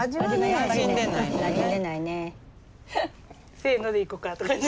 せのでいこかとかして。